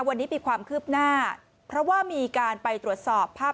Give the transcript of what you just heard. วันนี้มีความคืบหน้าเพราะว่ามีการไปตรวจสอบภาพ